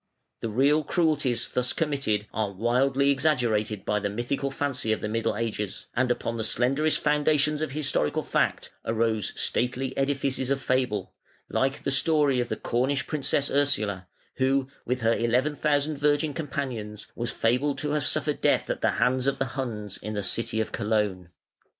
The real cruelties thus committed are wildly exaggerated by the mythical fancy of the Middle Ages, and upon the slenderest foundations of historical fact arose stately edifices of fable, like the story of the Cornish Princess Ursula, who with her eleven thousand virgin companions was fabled to have suffered death at the hands of the Huns in the city of Cologne.